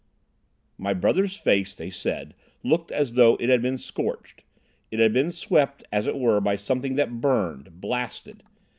"My brother's face, they said, looked as though it had been scorched. It had been swept, as it were, by something that burned—blasted.